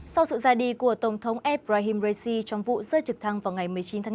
sau sự ra đi của tổng thống ebrahim raisi trong vụ rơi trực thăng vào ngày một mươi chín tháng bốn